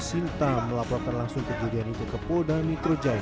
sinta melaporkan langsung kejadian itu ke polda metro jaya